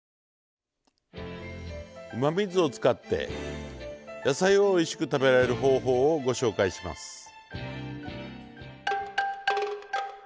うまみ酢を使って野菜をおいしく食べられる方法をご紹介します。